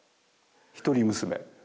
一人娘。